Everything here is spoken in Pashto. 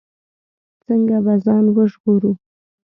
څنګه به ځان ژغورو.